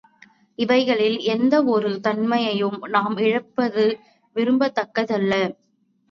இவைகளில் எந்த ஒரு தன்மையையும் நாம் இழப்பது விரும்பத்தக்கதல்ல.